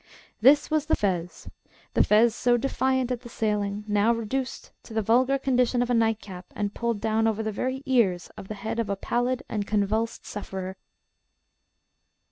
This was the fez the fez so defiant at the sailing, now reduced to the vulgar condition of a nightcap, and pulled down over the very ears of the head of a pallid and convulsed sufferer.